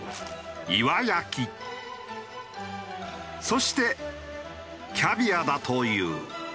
そしてキャビアだという。